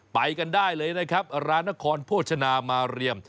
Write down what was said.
ไปกันได้เลยนะครับร้านนครโภชนามาเรียม